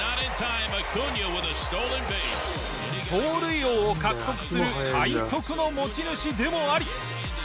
盗塁王を獲得する快足の持ち主でもあり。